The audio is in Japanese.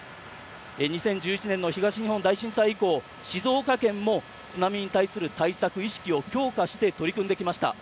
２０１１年の東日本大震災以降静岡県も津波に対する対策意識を強化して取り組んできました。